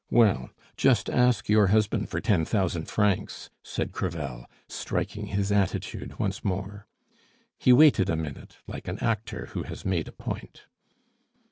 "Well, just ask your husband for ten thousand francs," said Crevel, striking his attitude once more. He waited a minute, like an actor who has made a point.